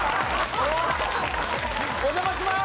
お邪魔します！